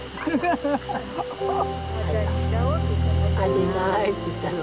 「味ない」って言ったの？